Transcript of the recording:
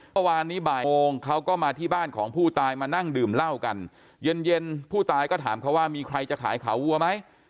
เมื่อวานนี้บ่ายโมงเขาก็มาที่บ้านของผู้ตายมานั่งดื่มเหล้ากันเย็นเย็นผู้ตายก็ถามเขาว่ามีใครจะขายขาวัวไหม